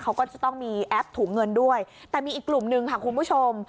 เขาก็จะต้องมีแอปถุงเงินด้วยแต่มีอีกกลุ่มนึงค่ะคุณผู้ชม